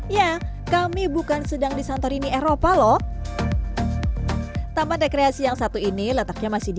ya kami bukan sedang di santorini eropa loh taman rekreasi yang satu ini letaknya masih di